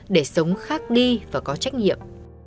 để sống khác đi và có trách nhiệm